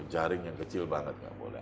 jaring yang kecil banget nggak boleh